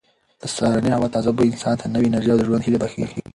د سهارنۍ هوا تازه بوی انسان ته نوې انرژي او د ژوند هیله بښي.